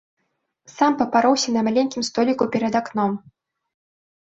Сам папароўся на маленькім століку перад акном.